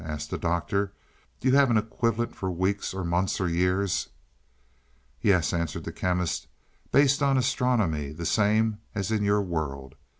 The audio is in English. asked the Doctor. "Do you have an equivalent for weeks, or months or years?" "Yes," answered the Chemist, "based on astronomy the same as in your world.